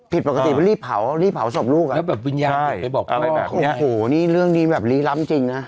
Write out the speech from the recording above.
ผิดปกติว่ารีบเผารีบเผาศพลูกอะอะไรแบบนี้โอ้โหเรื่องนี้แบบลี้ล้ำจริงนะ